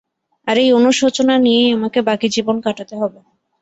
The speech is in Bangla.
আর এই অনুশোচনা নিয়েই আমাকে বাকি জীবন কাটাতে হবে।